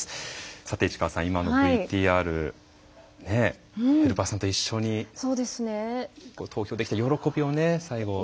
さて市川さん、今のＶＴＲヘルパーさんと一緒に投票できて喜びを最後。